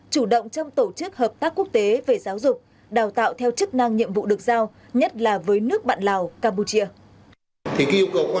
chủ động trong tổ chức hợp tác quốc tế về giáo dục đào tạo theo chức năng nhiệm vụ được giao nhất là với nước bạn lào campuchia